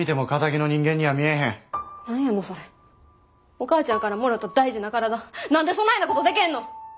お母ちゃんから貰た大事な体何でそないなことでけんの！